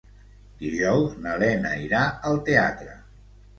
Dijous na Lena irà al teatre.